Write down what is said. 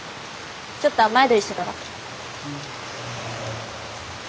ちょっと雨宿りしてただけ。